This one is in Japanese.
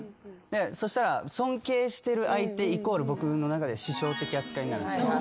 そしたら尊敬してる相手イコール僕の中では師匠的扱いになるんすよ